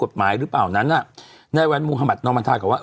กฎหมายหรือเปล่านั้นอ่ะนายวันมุหมาธนอมมาธากับว่า